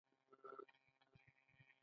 آیا د یو دسترخان خلک یو زړه نه وي؟